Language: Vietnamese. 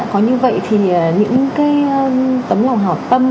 có như vậy thì những cái tấm lòng hảo tâm